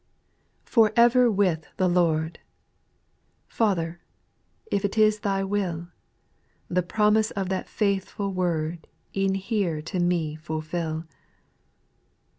For ever with the Lord 1" Father, if 't is Thy will, The promise of that faithful word E'en here to me fulfill.